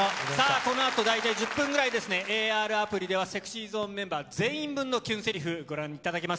この後、大体１０分くらいＡＲアプリではＳｅｘｙＺｏｎｅメンバー全員分のキュンゼリフを見られます。